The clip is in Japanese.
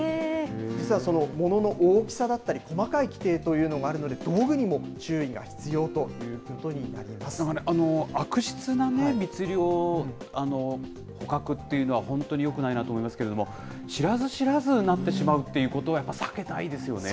実はそのものの大きさだったり、細かい規定というのもあるので、道具にも注意が必要ということに悪質な密漁、捕獲っていうのは、本当によくないなと思いますけど、知らず知らずなってしまうということはやっぱり避けたいですよね。